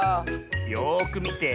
よくみて。